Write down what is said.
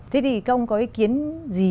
thế thì các ông có ý kiến gì